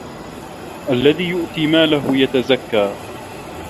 الَّذي يُؤتي مالَهُ يَتَزَكّى